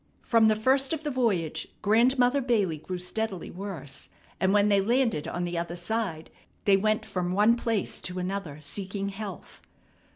From the first of the voyage Grandmother Bailey grew steadily worse, and when they landed on the other side they went from one place to another seeking health.